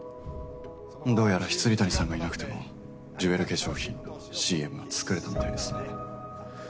どうやら未谷さんがいなくてもジュエル化粧品のＣＭは作れたみたいですね。